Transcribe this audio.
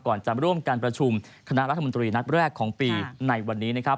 ก่อนจะร่วมการประชุมคณะรัฐมนตรีนัดแรกของปีในวันนี้นะครับ